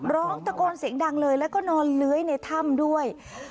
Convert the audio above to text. ร้องตะโกนเสียงดังเลยแล้วก็นอนเลื้อยในถ้ำด้วย